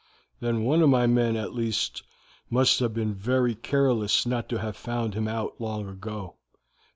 "Then one of my men, at least, must have been very careless not to have found him out long ago.